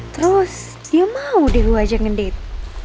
terus dia mau deh gue ajak ngedate